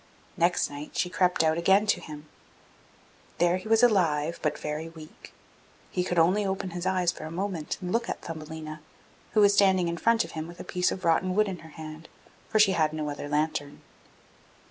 Next night she crept out again to him. There he was alive, but very weak; he could only open his eyes for a moment and look at Thumbelina, who was standing in front of him with a piece of rotten wood in her hand, for she had no other lantern.